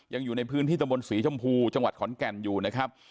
ยังอยู่ในพื้นที่ตะบนศรีชมพูจังหวัดขอนแก่นอยู่นะครับ